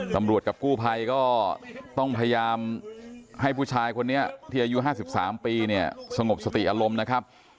กับกู้ภัยก็ต้องพยายามให้ผู้ชายคนนี้ที่อายุ๕๓ปีเนี่ยสงบสติอารมณ์นะครับ